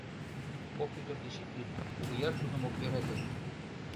Поп ӱдыр деч ит лӱд: Кугуяр тудым ок йӧрате.